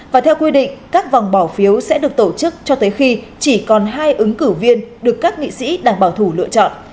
và theo quy định các vòng bỏ phiếu sẽ được tổ chức cho tới khi chỉ còn hai ứng cử viên được các nghị sĩ đảng bảo thủ lựa chọn